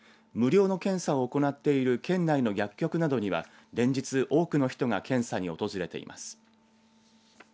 無料の検査を行っている県内の薬局などには連日、多くの人が検査に訪れています。